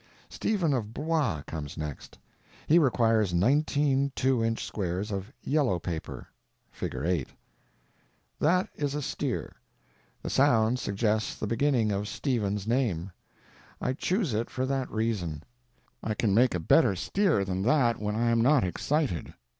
Stephen of Blois comes next. He requires nineteen two inch squares of yellow paper. (Fig. 8.) That is a steer. The sound suggests the beginning of Stephen's name. I choose it for that reason. I can make a better steer than that when I am not excited.